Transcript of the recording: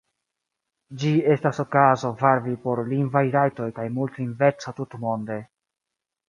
Ĝi estas okazo varbi por lingvaj rajtoj kaj multlingveco tutmonde.